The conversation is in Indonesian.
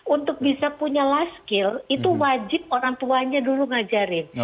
untuk bisa punya life skill itu wajib orang tuanya dulu ngajarin